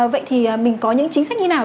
vậy thì mình có những chính sách như thế nào